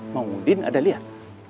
mang udin ada lihat